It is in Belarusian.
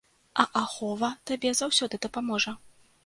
А ахова табе заўсёды дапаможа.